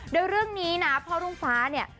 โดยเรื่องนี้นะพ่อรุ่งฟ้าเนี่ย